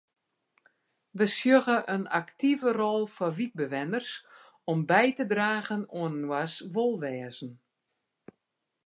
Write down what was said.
Wy sjogge in aktive rol foar wykbewenners om by te dragen oan inoars wolwêzen.